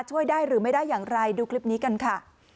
ช่วยได้หรือไม่ได้อย่างไรดูคลิปนี้กันค่ะ